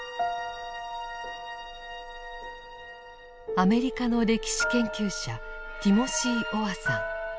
アメリカの歴史研究者ティモシー・オアさん。